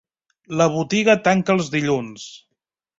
La botiga tanca els dilluns.